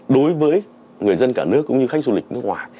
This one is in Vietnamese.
đối với người dân cả nước cũng như khách du lịch nước ngoài